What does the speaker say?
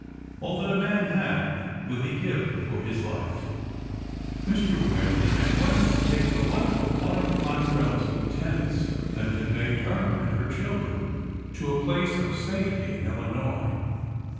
All that a man hath will he give for his life." Mr. Whalen had once taken the wife of one of Quan trell's lieutenants and conveyed her and her children to a place of safety in Illinois.